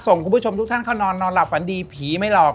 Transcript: คุณผู้ชมทุกท่านเข้านอนนอนหลับฝันดีผีไม่หลอก